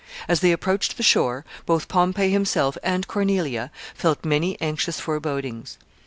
As they approached the shore, both Pompey himself and Cornelia felt many anxious forebodings.